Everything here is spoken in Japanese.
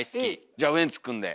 じゃあウエンツくんで。